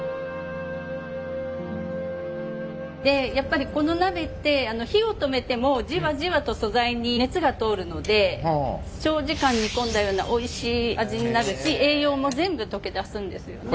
でやっぱりこの鍋って火を止めてもじわじわと素材に熱が通るので長時間煮込んだようなおいしい味になるし栄養も全部溶け出すんですよね。